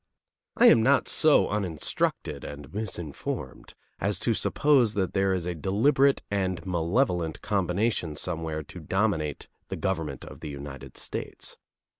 I am not so uninstructed and misinformed as to suppose that there is a deliberate and malevolent combination somewhere to dominate the government of the United States.